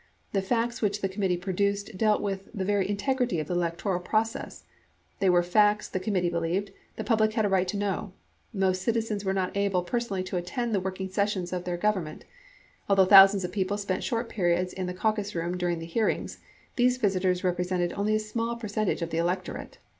The facts which the committee produced dealt with the very integrity of the electoral process ; they were facts, the committee believed, the public had a right to know. Most citizens are not able personally to attend the working sessions of their Govern ment. Although thousands of people spent short periods in the Caucus Room during the hearings, these visitors represented only a small per centage of the electorate.